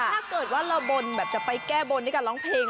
แล้วถ้าเกิดว่าเราบ่นแบบจะไปแก้บ่นนี่กันร้องเพลง